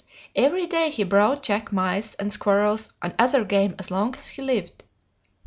Every day he brought Jack mice and squirrels and other game as long as he lived.